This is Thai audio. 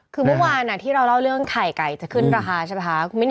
คือเมื่อวานที่เราเล่าเรื่องไข่ไก่จะขึ้นราคาใช่ไหมคะ